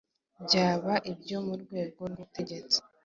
byaba ibyo mu rwego rw’ubutegetsi